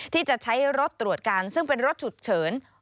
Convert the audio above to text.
ที่จะใช้รถตรวจการซึ่งเป็นรถฉุกเฉิน